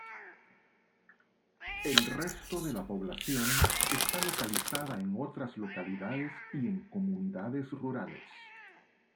El resto de la población está localizada en otras localidades y en comunidades rurales.